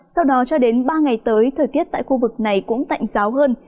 sau đó cho đến ba ngày tới thời tiết tại khu vực này cũng tạnh giáo hơn